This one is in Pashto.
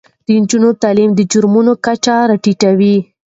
د نجونو تعلیم د جرمونو کچه راټیټوي.